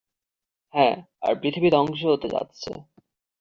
হ্যাঁ, আর পৃথিবী ধ্বংস হতে যাচ্ছে।